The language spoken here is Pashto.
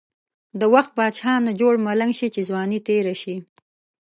د وخت بادشاه نه جوړ ملنګ شی، چی ځوانی تیره شی.